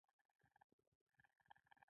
قلم د لیکلو لپاره کارېږي